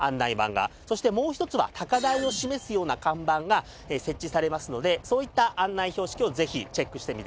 そしてもう一つは高台を示すような看板が設置されますのでそういった案内標識をぜひチェックしてみてください。